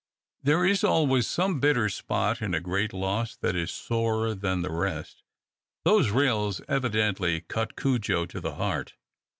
There is always some bitter spot in a great loss that is sorer than the rest. Those rails evidently cut Cudjo to the heart.